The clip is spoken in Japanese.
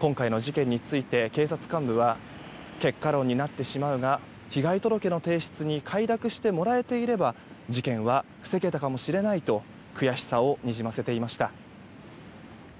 今回の事件について警察幹部は結果論になってしまうが被害届の提出に快諾してもらえていれば事件は防げたかもしれないと悔しさをにじませていました。